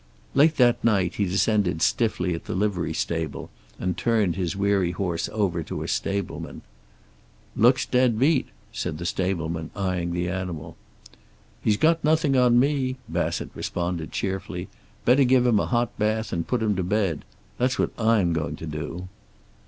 Late that night he descended stiffly at the livery stable, and turned his weary horse over to a stableman. "Looks dead beat," said the stableman, eyeing the animal. "He's got nothing on me," Bassett responded cheerfully. "Better give him a hot bath and put him to bed. That's what I'm going to do."